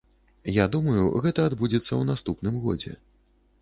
Я думаю, гэта адбудзецца ў наступным годзе.